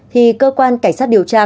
thì cơ quan cảnh sát điều tra